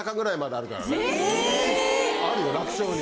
⁉あるよ楽勝に。